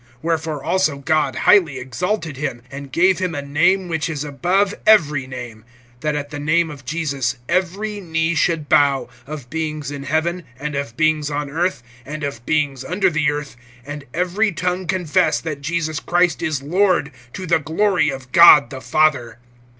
(9)Wherefore also God highly exalted him, and gave him a name which is above every name; (10)that at the name of Jesus every knee should bow, of beings in heaven, and of beings on earth, and of beings under the earth, (11)and every tongue confess that Jesus Christ is Lord, to the glory of God the Father.